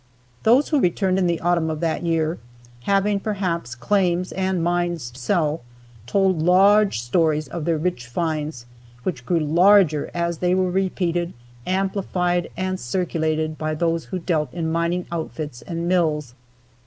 Those who returned in the autumn of that year, having perhaps claims and mines to sell, told large stories of their rich finds, which grew larger as they were repeated, amplified and circulated by those who dealt in mining outfits and mills.